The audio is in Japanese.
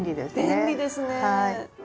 便利ですね。